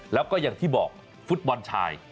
แล้วก็อย่างที่บอกฟุตบอลชาย